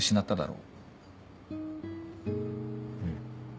うん。